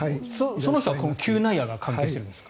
その人は嗅内野が関係しているんですか？